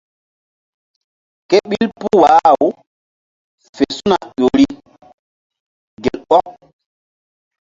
Ke ɓil puh wah-aw fe su̧na ƴo ri gel ɔk.